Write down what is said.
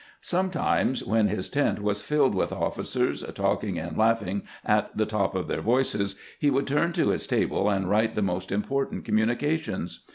Sometimes, when his tent was fiUed with ofi&cers, talking and laughing at the top of their voices, he would turn to his table and write the most important communications.